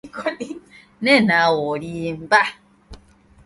Oluusi bayinza okutta embuzi, ne bafuna ennyama.